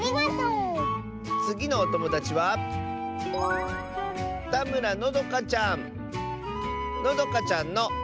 つぎのおともだちはのどかちゃんの。